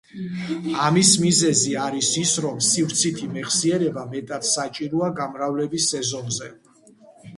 ამის მიზეზი არის ის, რომ სივრცითი მეხსიერება მეტად საჭიროა გამრავლების სეზონზე.